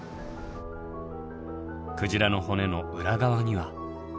鯨の骨の裏側には。